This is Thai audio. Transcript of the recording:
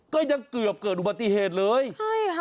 ก็ยังเกือบเกิดอุบัติหรอกนะ